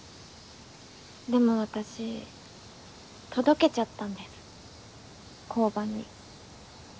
でも私届けちゃったんです交番に。